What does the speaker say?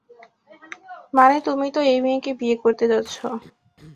মানে তুমি তো এই মেয়েকে বিয়ে করতে যাচ্ছো।